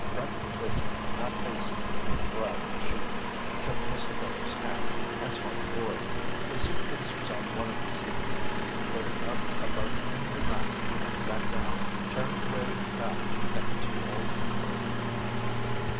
Brett kissed Aunt Haicey's dry cheek, shook Mr. Phillips' hand, and swung aboard. His suitcase was on one of the seats. He put it up above in the rack, and sat down, turned to wave back at the two old people.